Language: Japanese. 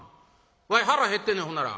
「わい腹減ってんねんほんなら。